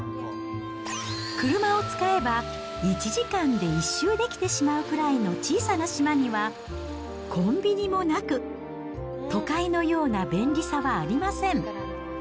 車を使えば、１時間で１周できてしまうくらいの小さな島には、コンビニもなく、都会のような便利さはありません。